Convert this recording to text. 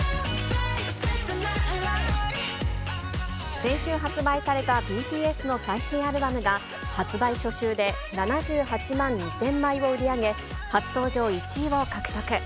先週発売されたＢＴＳの最新アルバムが、発売初週で７８万２０００枚を売り上げ、初登場１位を獲得。